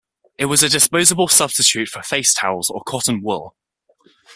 It was a disposable substitute for face towels or cotton wool.